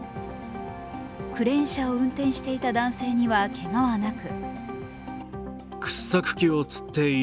クレーン車を運転していた男性にはけがはなく